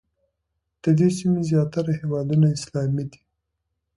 د دې سیمې زیاتره هېوادونه اسلامي دي.